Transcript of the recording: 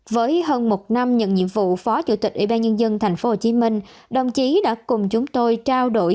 với hơn một năm nhận nhiệm vụ phó chủ tịch ủy ban nhân dân tp hcm đồng chí đã cùng chúng tôi trao đổi